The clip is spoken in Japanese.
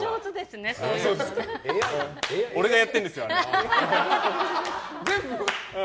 俺がやってるんですよ、あれ。